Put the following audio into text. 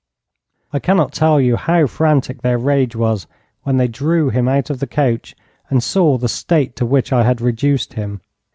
I cannot tell you how frantic their rage was when they drew him out of the coach and saw the state to which I had reduced him.